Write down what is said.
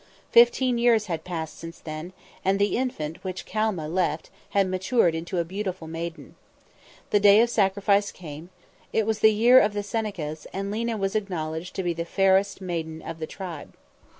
Fifteen years had passed since then, and the infant which Calma left had matured into a beautiful maiden. The day of sacrifice came; it was the year of the Senecas, and Lena was acknowledged to be the fairest maiden of the tribe.